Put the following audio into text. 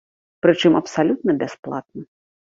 Пры чым абсалютна бясплатна.